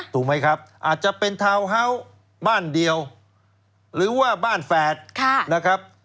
ถูกไหมครับอาจจะเป็นทาวน์ฮาส์บ้านเดียวหรือว่าบ้านแฝดนะครับ